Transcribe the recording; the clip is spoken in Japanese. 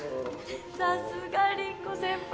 さすが凛子先輩。